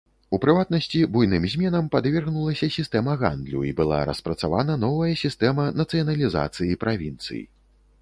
У прыватнасці, буйным зменам падвергнулася сістэма гандлю і была распрацавана новая сістэма нацыяналізацыі правінцый.